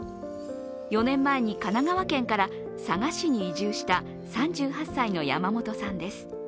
４年前に神奈川県から佐賀市に移住した３８歳の山本さんです。